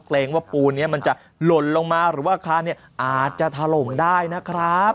เกรงว่าปูนี้มันจะหล่นลงมาหรือว่าอาคารอาจจะถล่มได้นะครับ